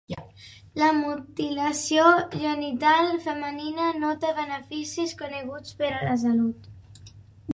La mutilació genital femenina no té beneficis coneguts per a la salut.